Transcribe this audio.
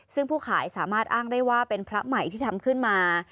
ซึ่งผู้ขายสามารถอ้างได้ว่าเป็นพระใหม่ที่ทำขึ้นมา